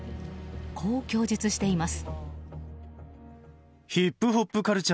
こう供述しています。